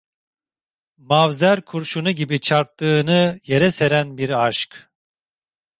Mavzer kurşunu gibi çarptığını yere seren bir aşk…